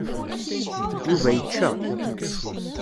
Yuba yečča.